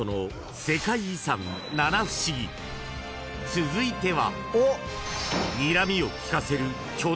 ［続いては］